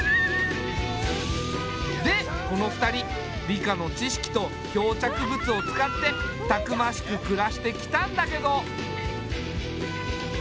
でこの２人理科の知識と漂着物を使ってたくましく暮らしてきたんだけど。